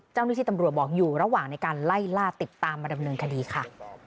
เจ้าหน้าที่ตำรวจบอกอยู่ระหว่างในการไล่ล่าติดตามมาดำเนินคดีค่ะ